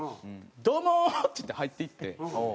「どうも！」って言って入っていって。